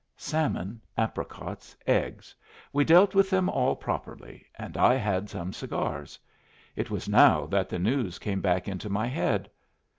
Salmon, apricots, eggs, we dealt with them all properly, and I had some cigars. It was now that the news came back into my head.